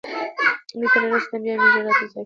دوی ته نه رسېدم. بیا مې ژړا زیاته شوه.